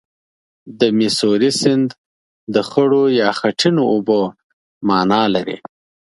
د میسوری سیند د خړو یا خټینو اوبو معنا لري.